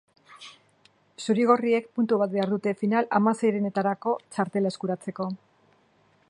Zuri-gorriek puntu bat behar dute final-hamaseirenetarako txartela eskuratzeko.